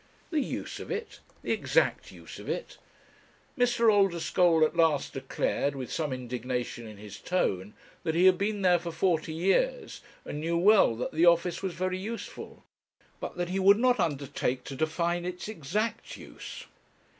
The use of it the exact use of it? Mr. Oldeschole at last declared, with some indignation in his tone, that he had been there for forty years and knew well that the office was very useful; but that he would not undertake to define its exact use.